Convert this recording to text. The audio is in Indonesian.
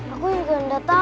aku juga nggak tahu